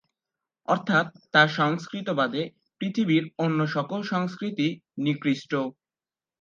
অর্থাৎ তার সংস্কৃতি বাদে পৃথিবীর অন্য সকল সংস্কৃতি নিকৃষ্ট।